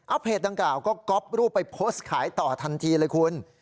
เอาเพจดังกล่าวก็ก๊อปรูปไปโพสต์ขายต่อทันทีเลยคุณ